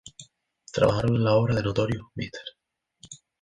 Trabajaron en la obra "The Notorious Mrs.